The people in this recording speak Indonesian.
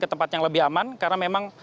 ke tempat yang lebih aman karena memang